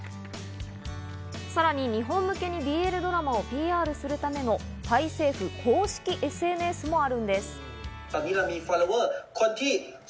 さらに日本向けにＢＬドラマをＰＲするためのタイ政府公式ＳＮＳもあるんです。